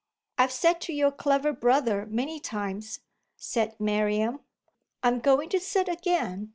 "I've sat to your clever brother many times," said Miriam; "I'm going to sit again.